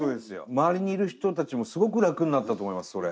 周りにいる人たちもすごく楽になったと思いますそれ。